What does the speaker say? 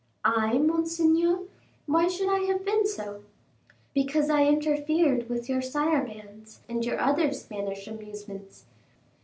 "I, monseigneur? Why should I have been so?" "Because I interfered with your sarabands and your other Spanish amusements.